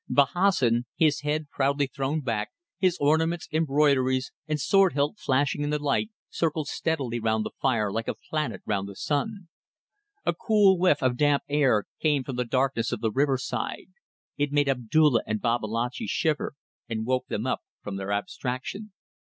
Bahassoen, his head proudly thrown back, his ornaments, embroideries, and sword hilt flashing in the light, circled steadily round the fire like a planet round the sun. A cool whiff of damp air came from the darkness of the riverside; it made Abdulla and Babalatchi shiver, and woke them up from their abstraction.